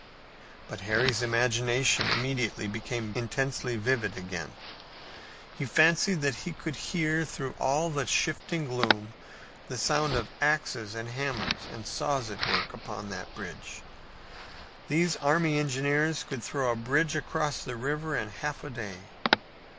But Harry's imagination immediately became intensely vivid again. He fancied that he could hear through all the shifting gloom the sound of axes and hammers and saws at work upon that bridge. These army engineers could throw a bridge across a river in half a day.